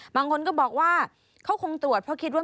บางคนก็บอกว่าเขาคงตรวจเพราะคิดว่า